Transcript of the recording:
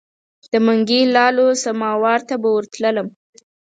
د منګي لالو سماوار ته به ورتللم.